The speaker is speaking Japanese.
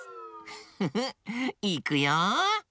フッフフいくよ。